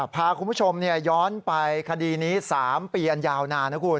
พาคุณผู้ชมย้อนไปคดีนี้๓ปีอันยาวนานนะคุณ